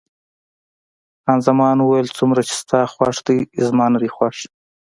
خان زمان وویل: څومره چې ستا خوښ دی، زما نه دی خوښ.